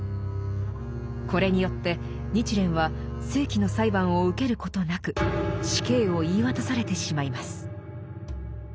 これによって日蓮は正規の裁判を受けることなく死刑を言い渡されてしまいます。